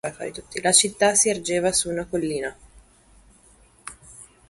La città si ergeva su una collina.